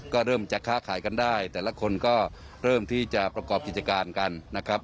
ก็เริ่มจะค้าขายกันได้แต่ละคนก็เริ่มที่จะประกอบกิจการกันนะครับ